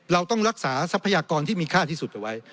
เราต้องรักษาทรัพยากรที่มีค่าที่สุดเอาไว้